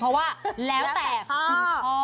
เพราะว่าแล้วแต่คุณพ่อ